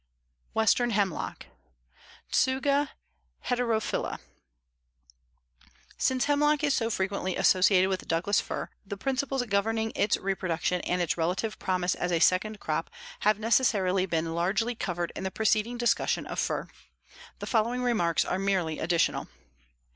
WESTERN HEMLOCK (Tsuga heterophylla) Since hemlock is so frequently associated with Douglas fir, the principles governing its reproduction and its relative promise as a second crop have necessarily been largely covered in the preceding discussion of fir. The following remarks are merely additional.